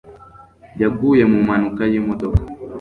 Yaguye mu mpanuka y'imodoka.